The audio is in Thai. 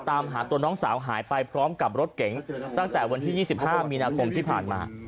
ตามหาตัวน้องสาวหายไปพร้อมกับรถเก๋งตั้งแต่วันที่๒๕มีนาคมที่ผ่านมา